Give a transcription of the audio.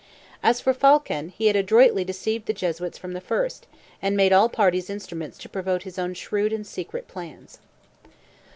As for Phaulkon, he had adroitly deceived the Jesuits from the first, and made all parties instruments to promote his own shrewd and secret plans.